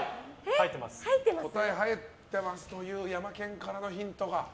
答え、入ってますというヤマケンからのヒントが。